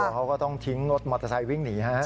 เขาก็ต้องทิ้งรถมอเตอร์ไซค์วิ่งหนีฮะ